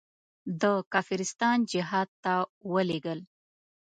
د کافرستان جهاد ته ولېږل.